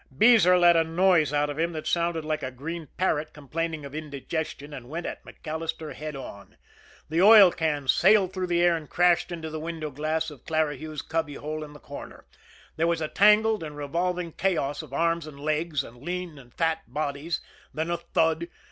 Beezer let a noise out of him that sounded like a green parrot complaining of indigestion, and went at MacAllister head on. The oil can sailed through the air and crashed into the window glass of Clarihue's cubby hole in the corner. There was a tangled and revolving chaos of arms and legs, and lean and fat bodies. Then a thud.